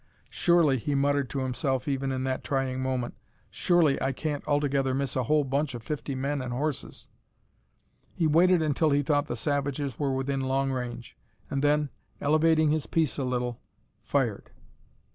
"Surely," he muttered to himself even in that trying moment, "surely I can't altogether miss a whole bunch o' fifty men an' horses!" He waited until he thought the savages were within long range, and then, elevating his piece a little, fired.